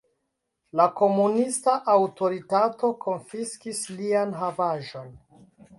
La komunista aŭtoritato konfiskis lian havaĵon.